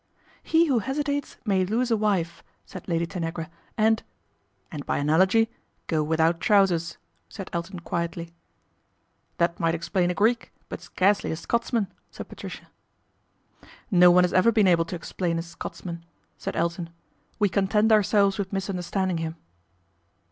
He who hesitates may lose a wife," said ady Tanagra, " and "" And by analogy, go without trousers," said Iton quietly. ' That might explain a Greek ; but scarcely a otsman," said Patricia. "No one has ever been able to explain a Scots lan," said Elton. " We content ourselves with lisunderstanding him."